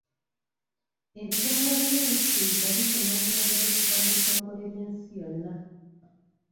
Ebitongole byenzikiriza bifuna obuyambi okuva mu bitongole by'ensi yonna.